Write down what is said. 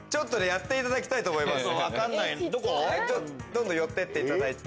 やっていただきたいと思います。